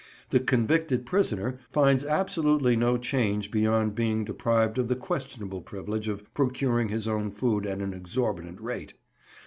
The "convicted prisoner" finds absolutely no change beyond being deprived of the questionable privilege of procuring his own food at an exorbitant rate.